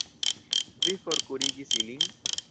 Vi forkurigis ilin?